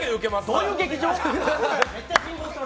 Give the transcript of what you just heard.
どういう劇場？